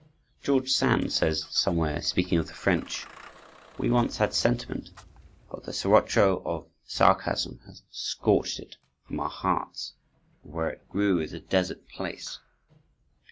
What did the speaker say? George Sand says, somewhere, speaking of the French, "We once had sentiment, but the sirocco of sarcasm has scorched it from our hearts, and where it grew is a desert place!"